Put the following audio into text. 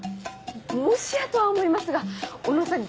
もしやとは思いますが小野さん